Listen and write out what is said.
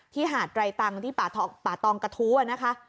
หาดไรตังที่ป่าตองกระทู้อะนะคะ